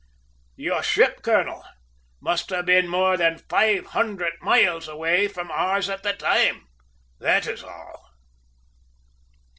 "Your ship, colonel, must have been more than five hundred miles away from ours at the time that is all!"